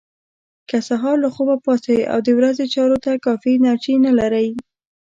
که سهار له خوبه پاڅئ او د ورځې چارو ته کافي انرژي نه لرئ.